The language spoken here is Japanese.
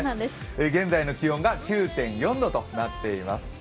現在の気温が９．４度となっています